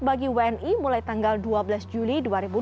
bagi wni mulai tanggal dua belas juli dua ribu dua puluh